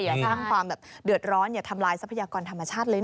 อย่าตั้งความเดือดร้อนอย่าทำลายส่วนภัยัาควรธรรมชาติเลยนะ